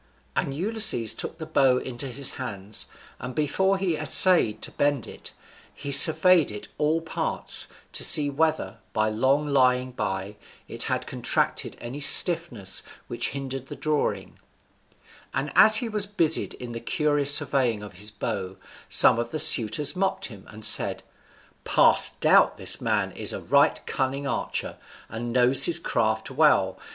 And Ulysses took the bow into his hands, and before he essayed to bend it, he surveyed it at all parts, to see whether, by long lying by, it had contracted any stiffness which hindered the drawing; and as he was busied in the curious surveying of his bow, some of the suitors mocked him, and said, "Past doubt this man is a right cunning archer, and knows his craft well.